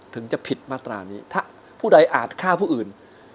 ถึงจะผิดมาตรานี้ถ้าผู้ใดอาจฆ่าผู้อื่น